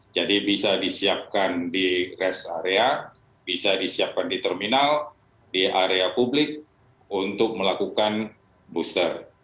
jadi bisa disiapkan di rest area bisa disiapkan di terminal di area publik untuk melakukan booster